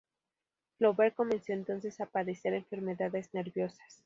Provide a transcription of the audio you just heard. Flaubert comenzó entonces a padecer enfermedades nerviosas.